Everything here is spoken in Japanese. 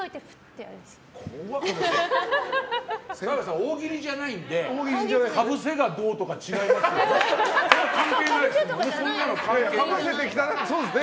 大喜利じゃないのでかぶせがどうとか違いますよね。